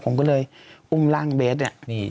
ผมก็เลยอุ่มร่างเบสผมออก